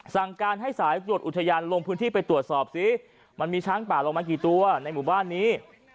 สั่งการให้สายตรวจอุทยานลงพื้นที่ไปตรวจสอบซิมันมีช้างป่าลงมากี่ตัวในหมู่บ้านนี้